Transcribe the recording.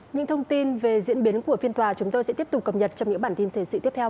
những thông tin về diễn biến của phiên tòa chúng tôi sẽ tiếp tục cập nhật trong những bản tin thời sự tiếp theo